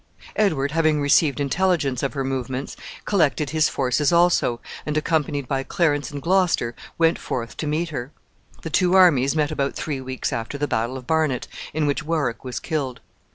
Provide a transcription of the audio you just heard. Edward, having received intelligence of her movements, collected his forces also, and, accompanied by Clarence and Gloucester, went forth to meet her. The two armies met about three weeks after the battle of Barnet, in which Warwick was killed.